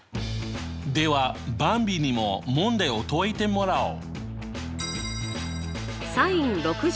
ではばんびにも問題を解いてもらおう！